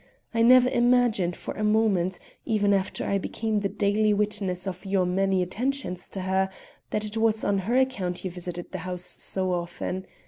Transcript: I never imagined for a moment, even after I became the daily witness of your many attentions to her, that it was on her account you visited the house so often.